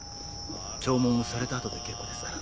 弔問をされた後で結構ですから。